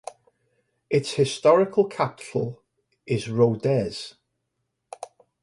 Its historical capital is Rodez.